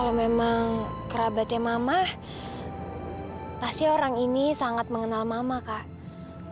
kalau memang kerabatnya mama pasti orang ini sangat mengenal mama kak